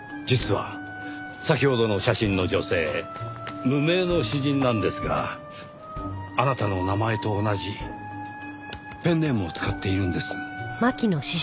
実は先ほどの写真の女性無名の詩人なんですがあなたの名前と同じペンネームを使っているんです。